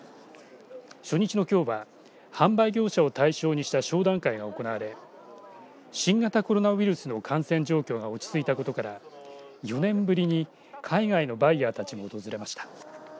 初日のきょうは販売業者を対象にした商談会が行われ新型コロナウイルスの感染状況が落ち着いたことから４年ぶりに海外のバイヤーたちも訪れました。